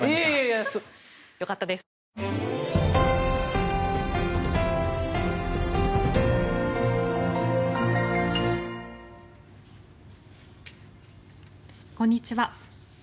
こんにちは。